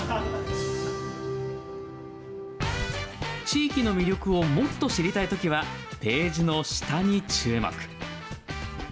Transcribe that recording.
地域の魅力をもっと知りたいときはページの下に注目。